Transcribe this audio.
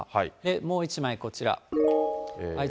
もう１枚、こちら。